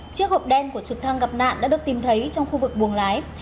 chiếc hộp đen của trực thăng gặp nạn đã được tìm thấy trong khu vực buồng lái